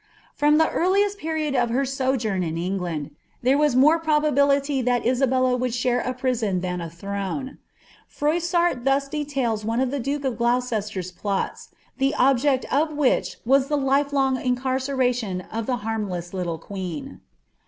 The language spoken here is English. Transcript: From the earliest period of her sojourn in England, there ww matt probability that Isabella would share a prison than a throne. PnMMn thus details one of the duke of Gloucester's plots, the objeci ol windi was the lifelong incarceration of the harmless little qneeo.